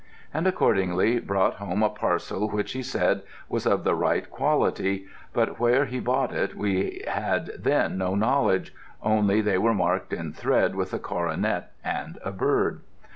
And accordingly brought home a parcel which he said was of the right quality, but where he bought it we had then no knowledge, only they were marked in thread with a coronet and a bird.